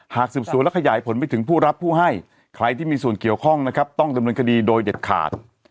หากสืบสวนและขยายผลไปถึงผู้รับผู้ให้ใครที่มีส่วนเกี่ยวข้องนะครับต้องดำเนินคดีโดยเด็ดขาด